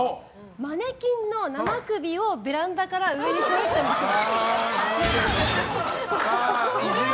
マネキンの生首をベランダから上にひょいと見せる。